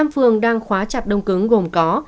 một mươi năm phường đang khóa chặt đông cứng gồm có